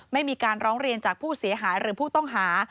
ไม่มีการร้องเรียนจากผู้เสียหายหรือผู้ต้องหา